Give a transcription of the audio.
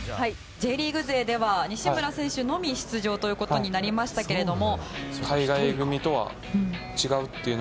Ｊリーグ勢では西村選手のみ出場という事になりましたけれども。